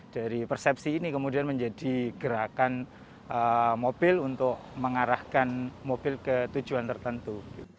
dari persepsi ini kemudian menjadi gerakan mobil untuk mengarahkan mobil ke tujuan tertentu